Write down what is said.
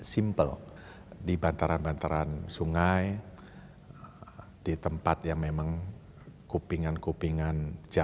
simple di bantaran bantaran sungai di tempat yang memang kupingan kupingan jalan seperti jakarta selatan